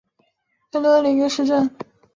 贝伦德马里亚是巴西伯南布哥州的一个市镇。